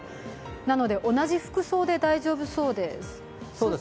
なので同じ服装で大丈夫そうです。